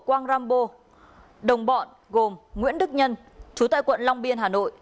quang rambo đồng bọn gồm nguyễn đức nhân chú tại quận long biên hà nội